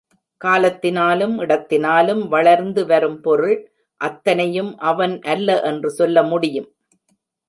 காலத்தினாலும், இடத்தினாலும் வளர்ந்து வரும் பொருள் அத்தனையும் அவன் அல்ல என்று சொல்ல முடியும்.